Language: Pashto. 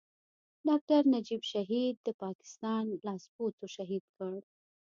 ډاکټر نجيب شهيد د پاکستان لاسپوڅو شهيد کړ.